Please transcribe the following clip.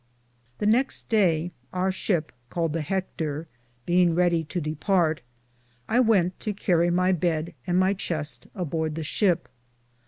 The nexte daye our shipp caled the Heckter, beinge reddie to departe, I wente to carrie my beed and my Chiste aborde the shipp.